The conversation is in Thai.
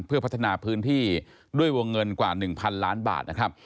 เพื่อพัฒนาพื้นที่ด้วยวงเงินกว่า๑๐๐ล้านบาทนะครับ